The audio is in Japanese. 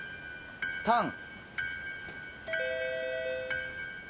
タン。